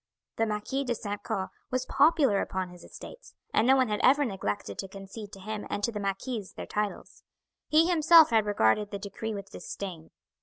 The Marquis de St. Caux was popular upon his estates, and no one had ever neglected to concede to him and to the marquise their titles. He himself had regarded the decree with disdain.